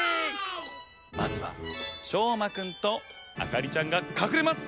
まずはしょうまくんとあかりちゃんがかくれます！